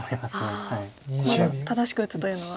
正しく打つというのは。